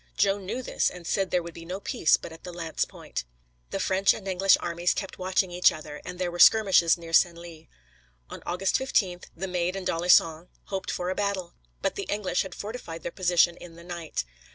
Joan knew this, and said there would be no peace but at the lance point. The French and English armies kept watching each other, and there were skirmishes near Senlis. On August 15, the Maid and d'Alençon hoped for a battle. But the English had fortified their position in the night.